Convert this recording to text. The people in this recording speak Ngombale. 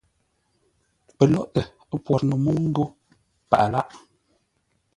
Pəlóghʼtə pwor no mə́u ńgó paghʼə lághʼ.